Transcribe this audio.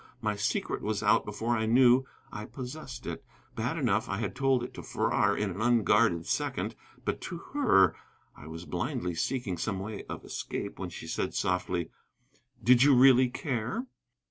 My secret was out before I knew I possessed it. Bad enough had I told it to Farrar in an unguarded second. But to her! I was blindly seeking some way of escape when she said softly: "Did you really care?"